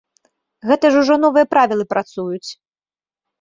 Гэта ж ужо новыя правілы працуюць.